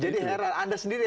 jadi heran anda sendiri ya